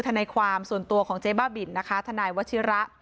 ทนายความส่วนตัวของเจ๊บ้าบินนะคะทนายวัชิระ